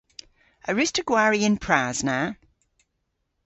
A wruss'ta gwari y'n pras na?